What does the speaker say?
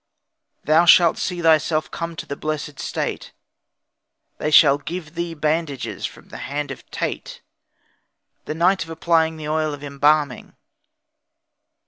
Thou shalt see thyself come to the blessed state, they shall give thee the bandages from the hand of Tait, the night of applying the oil of embalming.